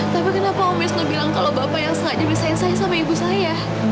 tapi kenapa om wisnu bilang kalau bapak yang sengaja bisain saya sama ibu saya